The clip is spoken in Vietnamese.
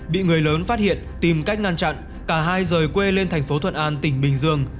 bị người lớn phát hiện tìm cách ngăn chặn cả hai rời quê lên thành phố thuận an tỉnh bình dương